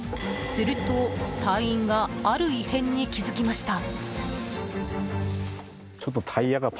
すると隊員がある異変に気付きました。